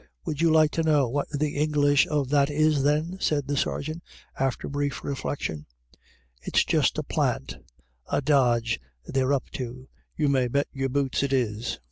" Would you like to know what the English of that is then ?" said the sergeant, after brief reflec tion ; "it's just a plant — a dodge they're up to, you may bet your boots it is.